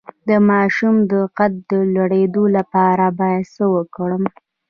د ماشوم د قد د لوړیدو لپاره باید څه ورکړم؟